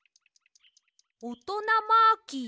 「おとなマーキーへ。